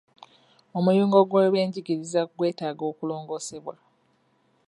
Omuyungo gw'ebyenjigiriza gwetaaga okulongoosebwa.